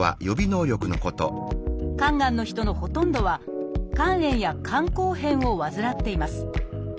肝がんの人のほとんどは肝炎や肝硬変を患っています。